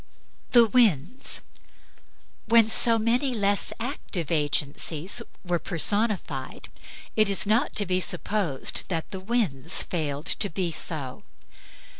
THE WINDS When so many less active agencies were personified, it is not to be supposed that the winds failed to be so.